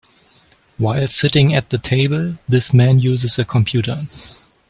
While sitting at the table this man uses a computer.